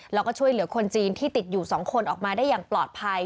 แล้วก็ช่วยเหลือคนจีนที่ติดอยู่๒คนออกมาได้อย่างปลอดภัย